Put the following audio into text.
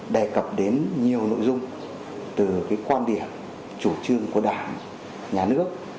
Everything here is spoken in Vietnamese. đề cập đến nhiều nội dung từ quan điểm chủ trương của đảng nhà nước